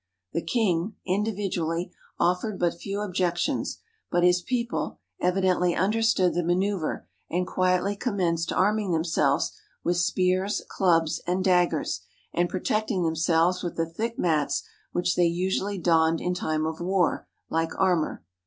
The king, individually, offered but few objections, but his people, evidently understood the maneuver, and quietly com menced arming themselves with spears, clubs, and daggers, and protecting themselves with the thick mats which they usually donned in time of war like armor.